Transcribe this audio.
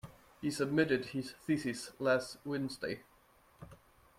He submitted his thesis last Wednesday.